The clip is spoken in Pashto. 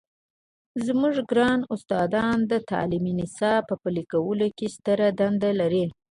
زموږ ګران استادان د تعلیمي نصاب په پلي کولو کې ستره دنده لري.